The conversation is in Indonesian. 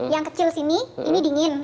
yang kecil sini ini dingin